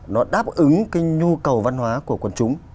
nó đáp ứng cái nhu cầu văn hóa của quần chúng